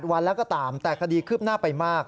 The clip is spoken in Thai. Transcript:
วันแล้วก็ตามแต่คดีคืบหน้าไปมาก